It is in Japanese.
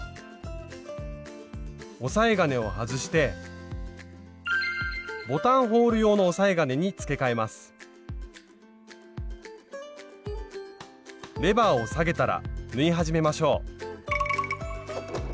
押さえ金を外してボタンホール用の押さえ金に付け替えますレバーを下げたら縫い始めましょう